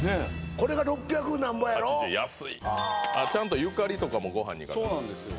これが六百なんぼやろ８０円安いちゃんとゆかりとかもご飯にそうなんですよ